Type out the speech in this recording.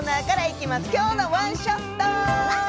「きょうのワンショット」。